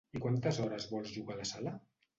I quantes hores vols llogar la sala?